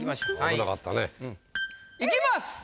危なかったね。いきます。